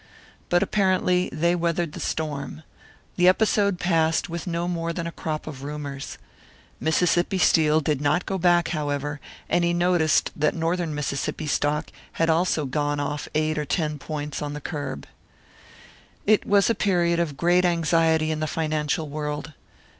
But apparently they weathered the storm. The episode passed with no more than a crop of rumours. Mississippi Steel did not go back, however; and he noticed that Northern Mississippi stock had also "gone off" eight or ten points on the curb. It was a period of great anxiety in the financial world.